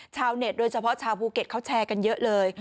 โดยเฉพาะชาวภูเก็ตเขาแชร์กันเยอะเลย